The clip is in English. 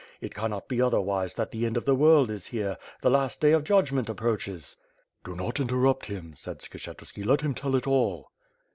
It cannot be otherwise than that the end of the world is here, the las t day of judg ment approaches." "Do not in'terrupt him," said Skshetuski, "let him tell it all."